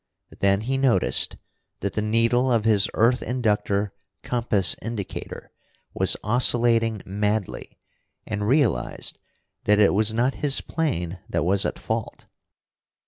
Then he noticed that the needle of his earth inductor compass indicator was oscillating madly, and realized that it was not his plane that was at fault.